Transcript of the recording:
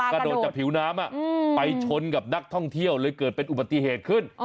กระโดดจากผิวน้ำไปชนกับนักท่องเที่ยวเลยเกิดเป็นอุบัติเหตุขึ้น